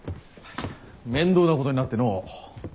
面倒なことになってのう。